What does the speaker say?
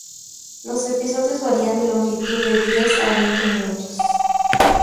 Los episodios varían de longitud de diez a veinte minutos.